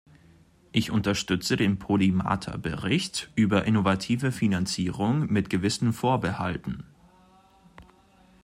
Ich unterstütze den Podimata-Bericht über innovative Finanzierung mit gewissen Vorbehalten.